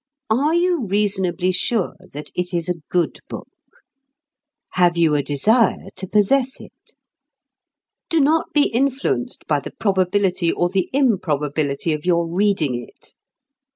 Are you reasonably sure that it is a good book? Have you a desire to possess it? Do not be influenced by the probability or the improbability of your reading it.